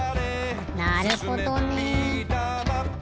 なるほどね。